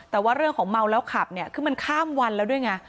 แต่ว่าเรื่องของเมาแล้วขับเนี่ยคือมันข้ามวันแล้วด้วยไง